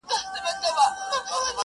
o يوه ورځ ديد، بله ورځ شناخت!